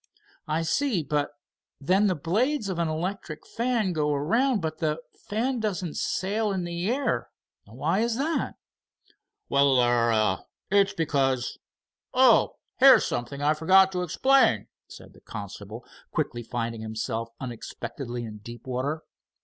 "I see, but then the blades of an electric fan go around but the fan doesn't sail in the air. Why is that?" "Well—er—it's because—Oh, here's something I forgot to explain," said the constable quickly, finding himself unexpectedly in deep water.